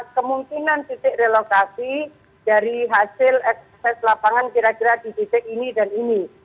kemungkinan titik relokasi dari hasil ekses lapangan kira kira di titik ini dan ini